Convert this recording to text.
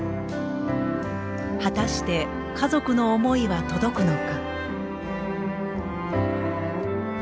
果たして家族の思いは届くのか。